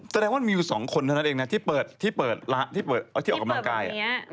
แสดงว่ามีอยู่๒คนเท่านั้นเองนะที่เปิดที่ออกกำลังกาย